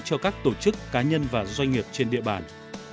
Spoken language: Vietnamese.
cho các tổ chức cá nhân và doanh nghiệp trên địa bàn